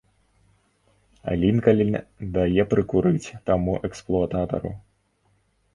Лінкальн дае прыкурыць таму эксплуататару.